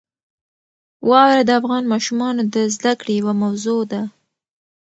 واوره د افغان ماشومانو د زده کړې یوه موضوع ده.